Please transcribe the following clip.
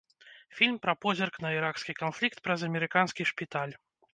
Фільм пра позірк на іракскі канфлікт праз амерыканскі шпіталь.